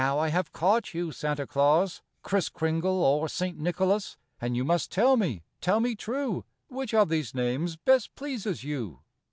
I have caught you Santa Claus, Kriss Kringle or St. Nicholas, And you must tell me, tell me true. Which of these names best pleases you'?